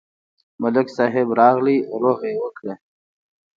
ملک صاحب راغی، روغه یې وکړه.